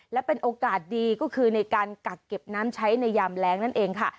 และเป็นโอกาสดีก็คือในการกักเก็บน้ำใช้ในยามแรงนั่นเองค่ะ